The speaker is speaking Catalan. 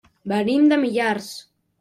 Venim de Millars.